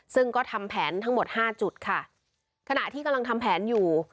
ซึ่งก็ทำแผนทั้งหมดห้าจุดค่ะขณะที่กำลังทำแผนอยู่